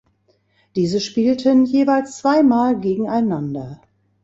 Diese spielten jeweils zweimal gegeneinander.